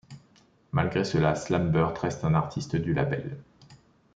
Malgré cela Slam Burt reste un artiste du label.